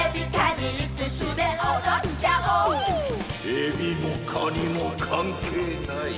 エビもカニもかんけいない。